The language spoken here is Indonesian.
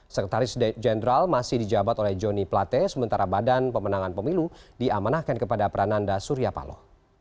sekretaris jenderal masih dijabat oleh jonny plate sementara badan pemenangan pemilu diamanahkan kepada prananda surya paloh